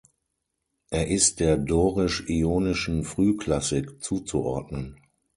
Er ist der dorisch-ionischen Frühklassik zuzuordnen.